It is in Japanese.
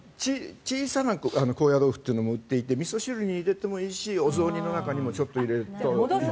小さな高野豆腐というのも売っていて味噌汁に入れてもいいしお雑煮の中にも入れると。